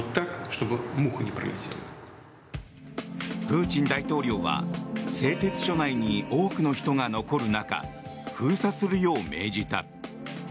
プーチン大統領は製鉄所内に多くの人が残る中封鎖するよう命じた。